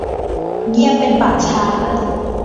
เงียบเป็นป่าช้า